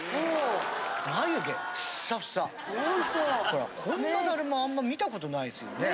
ほらこんなだるまあんま見たことないですよね。